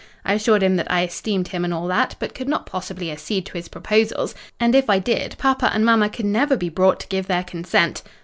I assured him that I esteemed him and all that, but could not possibly accede to his proposals; and if I did, papa and mamma could never be brought to give their consent."